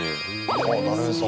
あ、なるへそ。